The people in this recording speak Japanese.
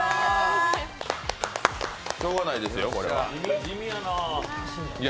しようがないですよ、これは。